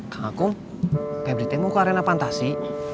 kak akung pebri teh mau ke arena fantasi